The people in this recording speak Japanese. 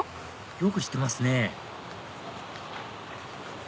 よく知ってますね